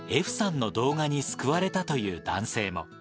歩さんの動画に救われたという男性も。